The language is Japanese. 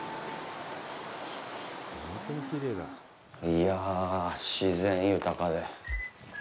いや、自然豊かで。